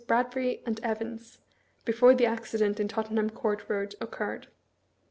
Bkadbtjet and Evans, before the accident in Tottenham Court Eoad occurred.